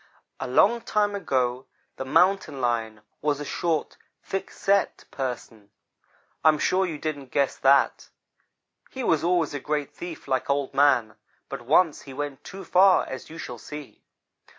"A long time ago the Mountain lion was a short, thick set person. I am sure you didn't guess that. He was always a great thief like Old man, but once he went too far, as you shall see.